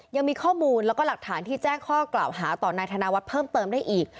ยังมีข้อมูลแล้วก็หลักฐานที่แจ้งข้อกล่าวหาต่อนายธนวัฒน์เพิ่มเติมได้อีก